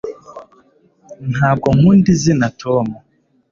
ntabwo nkunda izina tom